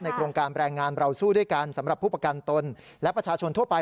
โครงการแรงงานเราสู้ด้วยกันสำหรับผู้ประกันตนและประชาชนทั่วไป